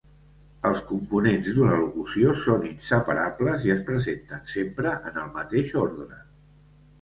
Els components d'una locució són inseparables i es presenten sempre en el mateix ordre.